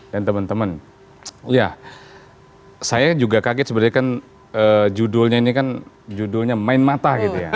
dan teman teman ya saya juga kaget sebenarnya kan judulnya ini kan judulnya main mata gitu ya